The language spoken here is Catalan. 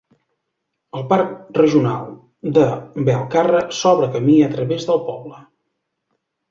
El Parc Regional de Belcarra s'obre camí a través del poble.